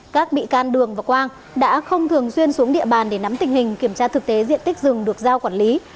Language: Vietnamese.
các bị can đường và quang đã không thường xuyên xuống địa bàn để nắm tình hình kiểm tra thực tế diện tích rừng được giao quản lý